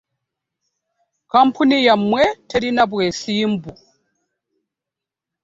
Kkampuni yammwe terina bwesimbu.